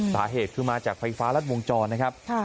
สาเหตุคือมาจากไฟฟ้ารัดวงจรนะครับ